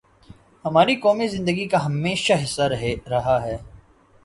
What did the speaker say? ہماری قومی زندگی کا ہمیشہ حصہ رہا ہے۔